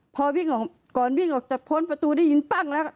พอวิ่งออกก่อนวิ่งออกจากพ้นประตูได้ยินปั้งแล้ว